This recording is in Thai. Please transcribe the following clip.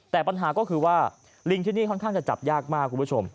แต่ปัญหาก็คือว่าลิงที่นี่ค่อนข้างจะจับยากมากคุณผู้ชม